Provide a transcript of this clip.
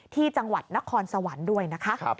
ที่จังหวัดนครสวรรค์ด้วยนะคะ